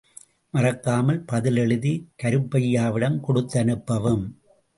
மறக்காமல் பதில் எழுதி கருப்பையாவிடம் கொடுத்தனுப்பவும்.